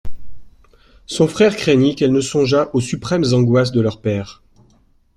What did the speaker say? Son frère craignit qu'elle ne songeât aux suprêmes angoisses de leur père.